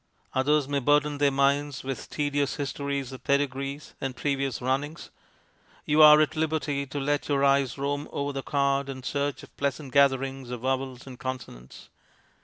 Others may burden their minds with tedious histories of pedigrees and previous runnings ; you are at liberty to let your eyes roam over the card in search of pleasant gatherings of vowels and consonants.